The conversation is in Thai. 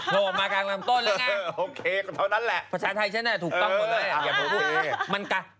ก็บอกว่าพูดจะให้ชัด